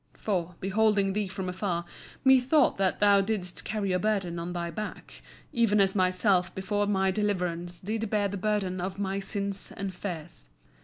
For, beholding thee from afar, methought that thou didst carry a burden on thy back, even as myself before my deliverance did bear the burden of my sins and fears.